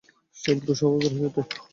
সে উগ্র স্বভাবের হয়ে উঠে।